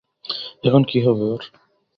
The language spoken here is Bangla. এখন কী হবে ওর?